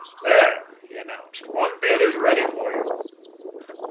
"There," he announced. "One bed is ready for you."